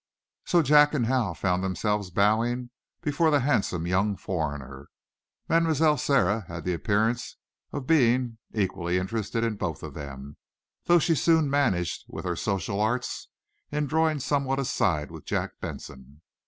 So Jack and Hal found themselves bowing before the handsome young foreigner. Mlle. Sara had the appearance of being, equally interested in both of them, though she soon managed, with her social arts, in drawing somewhat aside with Jack Benson.